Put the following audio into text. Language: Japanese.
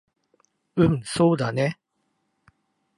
うんそうだね